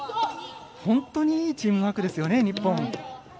本当にいいチームワークですよね、日本。